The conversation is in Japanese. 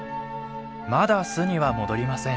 まだ巣には戻りません。